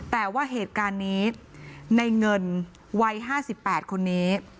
แต่ว่าเหตุการณ์นี้ในเงินวัย๕๘คนนี้